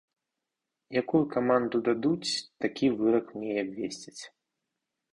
Якую каманду дадуць, такі вырак мне і абвесцяць.